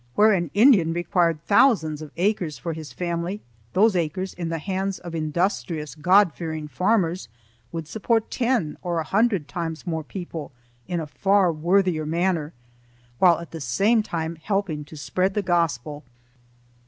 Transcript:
Where an Indian required thousands of acres for his family, these acres in the hands of industrious, God fearing farmers would support ten or a hundred times more people in a far worthier manner, while at the same time helping to spread the gospel.